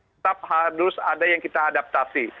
tetap harus ada yang kita adaptasi